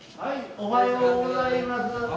おはようございます！